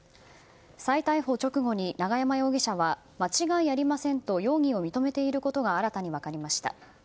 再逮捕直後に永山容疑者は間違いありませんと容疑を認めていることが新たに分かりました。